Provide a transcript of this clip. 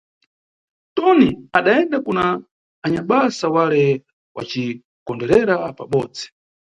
Toni adayenda kuna anyabasa wale wacikondwerera pabodzi.